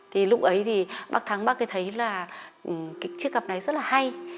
thì lúc ấy thì bác thắng bác ấy thấy là cái chiếc cặp này rất là hay